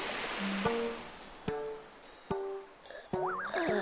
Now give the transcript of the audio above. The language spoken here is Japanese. ああ。